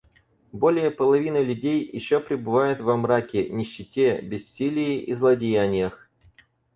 Более половины людей еще пребывают во мраке, нищете, бессилии и злодеяниях.